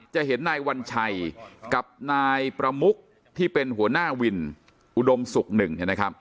จะเห็นนายวัญชัยกับนายประมุกที่เป็นหัวหน้าวินอุดมศุกร์หนึ่งเนี่ยนะครับ